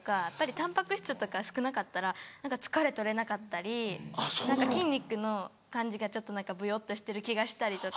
タンパク質とか少なかったら疲れ取れなかったり筋肉の感じがちょっとぶよっとしてる気がしたりとか。